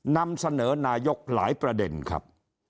นำเสนอนายกหลายประเด็นครับ